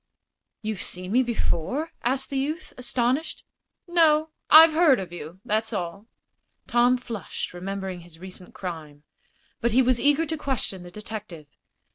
"You've seen me before?" asked the youth, astonished. "No; I've heard of you. That's all." Tom flushed, remembering his recent crime. But he was eager to question the detective.